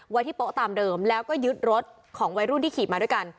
ไว้ที่โป๊ะตามเดิมแล้วก็ยึดรถของวัยรุ่นที่ขี่มาด้วยกัน